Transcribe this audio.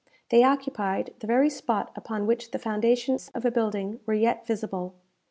They occupied the very spot upon which the foundations of a building were yet visible.